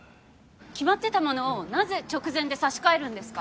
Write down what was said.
決まってたものをなぜ直前で差し替えるんですか？